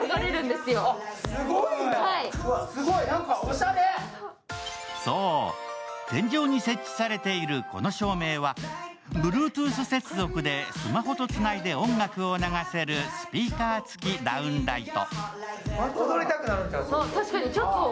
更にそう、天井に設置されているこの照明は、Ｂｌｕｅｔｏｏｔｈ接続でスマホとつないで音楽を流せるスピーカー付きダウンライト。